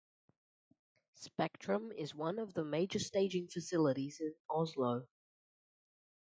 Spektrum is one of the major staging facilities in Oslo.